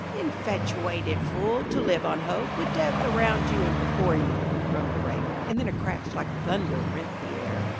"Infatuated fool, to live on hope, with death around you and before you!" groaned the Raven–and then a crash like thunder rent the air.